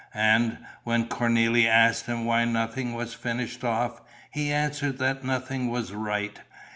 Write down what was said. And, when Cornélie asked him why nothing was finished off, he answered that nothing was right.